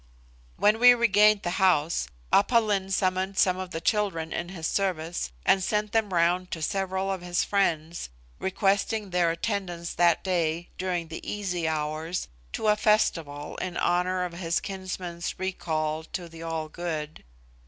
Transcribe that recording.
When we regained the house, Aph Lin summoned some of the children in his service and sent them round to several of his friends, requesting their attendance that day, during the Easy Hours, to a festival in honour of his kinsman's recall to the All Good.